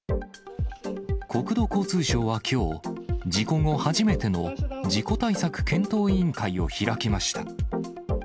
国土交通省はきょう、事故後初めての事故対策検討委員会を開きました。